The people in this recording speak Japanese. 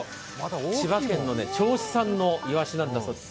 千葉県の銚子産のイワシだそうです。